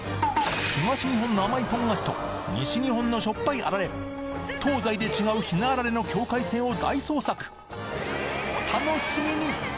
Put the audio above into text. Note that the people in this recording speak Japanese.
東日本の甘いポン菓子と西日本のしょっぱいあられ東西で違うひなあられの境界線を大捜索お楽しみに！